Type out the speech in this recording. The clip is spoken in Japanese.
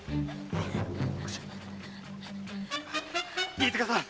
飯塚さん